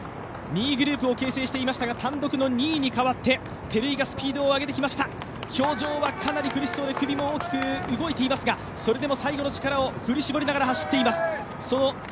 ２位グループを形成していましたが単独の２位に上がって照井がスピードを上げてきました、表情はかなり苦しそうで首も動いていますが、それでも最後の力を振り絞りながら走っています。